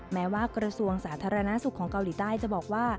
แม้ว่ากระทรวงสาธารณสุขของเกาหลีใต้จะบอกว่า